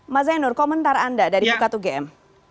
mas zainur komentar anda dari bukatu gm